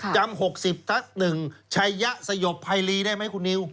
จำ๖๐ทัก๑ชัยยะสยบภัยรีได้ไหมคุณนิว